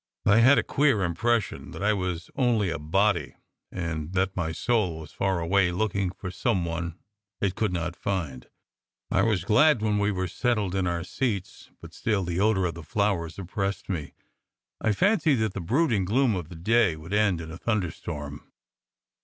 I had a queer impression that I was only a body, and that my soul was far away looking for some one it could not find. I was glad when we were settled in our seats, but still the odour of the flowers oppressed me. I fancied that the brooding gloom of the day would end in a thunderstorm.